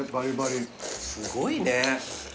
すごいね。